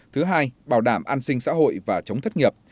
thứ hai bảo đảm an sinh xã hội và chống thất nghiệp